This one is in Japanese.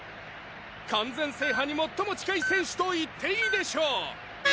完全制覇に最も近い選手と言っていいでしょう！